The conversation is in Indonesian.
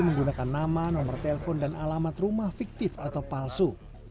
menggunakan nama nomor telepon dan alamat rumah fiktif atau palsu